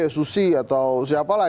susi atau siapalah